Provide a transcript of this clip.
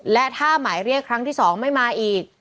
และถ้าหมายเรียกครั้งที่๒ไม่มาอีก